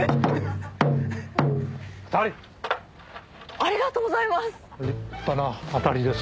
ありがとうございます！